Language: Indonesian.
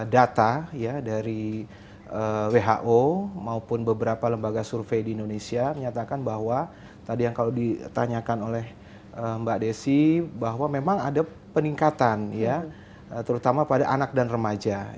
data ya dari who maupun beberapa lembaga survei di indonesia menyatakan bahwa tadi yang kalau ditanyakan oleh mbak desi bahwa memang ada peningkatan terutama pada anak dan remaja